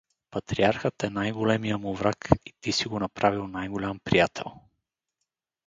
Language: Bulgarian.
— Патриархът е най-големия му враг и ти си го направил най-голям приятел.